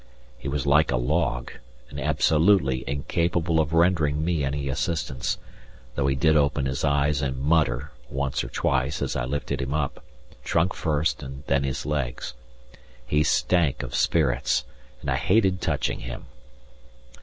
He was like a log and absolutely incapable of rendering me any assistance, though he did open his eyes and mutter once or twice as I lifted him up, trunk first and then his legs. He stank of spirits and I hated touching him.